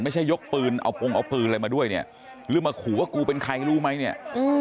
ยกปืนเอาปงเอาปืนอะไรมาด้วยเนี่ยหรือมาขู่ว่ากูเป็นใครรู้ไหมเนี่ย